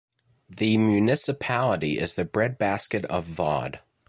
The municipality is the breadbasket of Vaud.